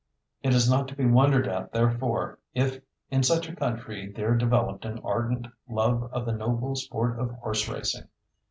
It is not to be wondered at therefore if in such a country there developed an ardent love of the noble sport of horse racing.